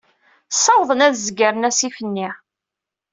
Ssawḍen ad zegren asif-nni.